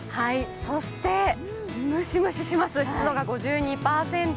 そしてムシムシします、湿度が５２％。